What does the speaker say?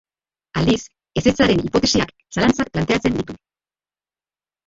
Aldiz, ezetzaren hipotesiak zalantzak planteatzen ditu.